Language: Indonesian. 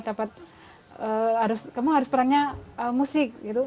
dapat harus kamu harus perannya musik gitu